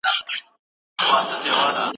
که ښوونکی بې حوصلې سي نو حالت خرابیږي.